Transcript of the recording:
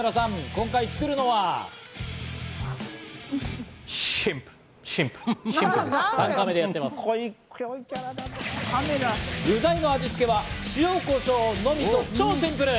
今回作るのは具材の味つけは塩・こしょうのみと超シンプル。